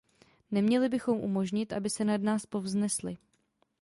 Neměli bychom umožnit, aby se nad nás povznesli.